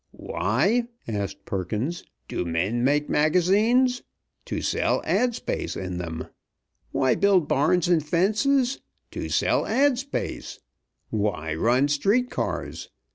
"Why," asked Perkins, "do men make magazines? To sell ad. space in them! Why build barns and fences? To sell ad. space! Why run street cars?